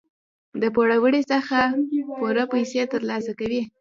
د پوروړي څخه پوره پیسې تر لاسه کوي.